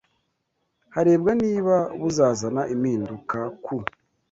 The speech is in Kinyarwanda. harebwa niba buzazana impinduka ku